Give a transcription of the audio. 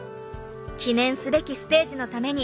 記念すべきステージのためにひむ